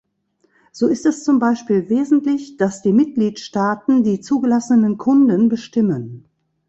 So ist es zum Beispiel wesentlich, dass die Mitgliedstaaten die zugelassenen Kunden bestimmen.